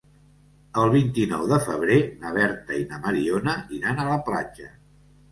El vint-i-nou de febrer na Berta i na Mariona iran a la platja.